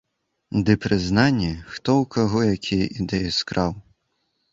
Ды прызнанні, хто ў каго якія ідэі скраў.